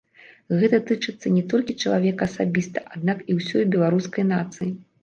Гэта тычыцца не толькі чалавека асабіста, аднак і ўсёй беларускай нацыі.